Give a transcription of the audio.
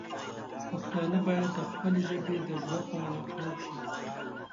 پښتانه باید د خپلې ژبې د ژوند په اړه پوه شي.